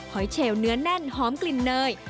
อยเชลเนื้อแน่นหอมกลิ่นเนย